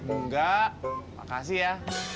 enggak makasih ya